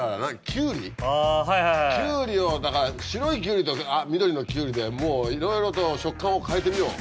きゅうりをだから白いきゅうりと緑のきゅうりでもういろいろと食感を変えてみよう。